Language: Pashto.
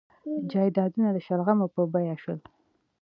جایدادونه د شلغمو په بیه شول.